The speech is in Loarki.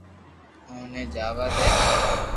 اوني جاوا دي